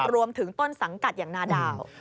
รวมถึงต้นสังกัดอย่างนาดาว